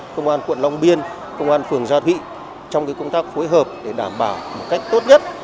công an quận long biên công an phường gia thụy trong công tác phối hợp để đảm bảo một cách tốt nhất